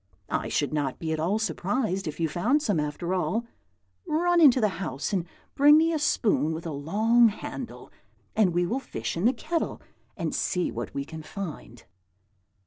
I should not be at all surprised if you found some, after all. Run into the house and bring me a spoon with a long handle, and we will fish in the kettle, and see what we can find."